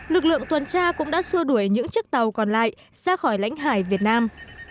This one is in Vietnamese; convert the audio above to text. lực lượng tuần tra cũng đã xua đuổi những chiếc tàu còn lại ra khỏi lãnh hải việt nam